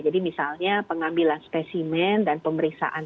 jadi misalnya pengambilan spesimen dan pemeriksaan